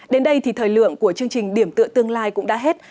đến đây thì thời lượng của chương trình điểm tựa tương lai cũng đã hết